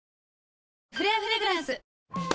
「フレアフレグランス」よし！